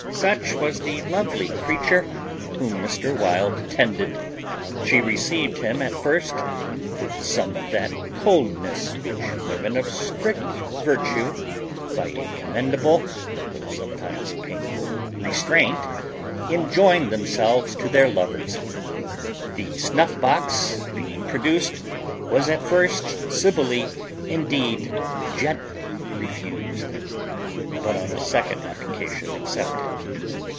Such was the lovely creature whom Mr. Wild attended. She received him at first with some of that coldness which women of strict virtue, by a commendable though sometimes painful restraint, enjoin themselves to their lovers. The snuff box, being produced, was at first civilly, and indeed gently, refused; but on a second application accepted.